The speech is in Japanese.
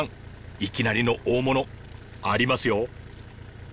いきなりの大物ありますよ！